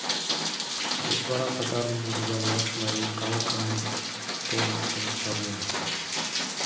Тылеч вара татар мурза-влак марий калыкым толымыштым чарненыт.